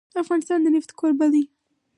افغانستان د نفت کوربه دی.